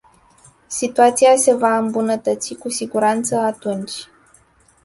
Situația se va îmbunătăți cu siguranță atunci.